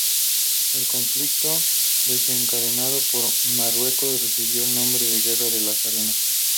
El conflicto, desencadenado por Marruecos, recibió el nombre de Guerra de las Arenas.